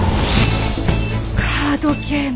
カードゲーム